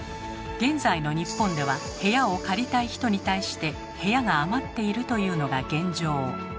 現在の日本では部屋を借りたい人に対して部屋が余っているというのが現状。